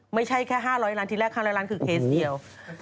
ไม่ใช่แค่๕๐๐ล้านที่แรก๕๐๐ล้านคือเคสเดียว